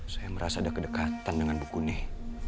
saya merasa ada kedekatan dengan buku nih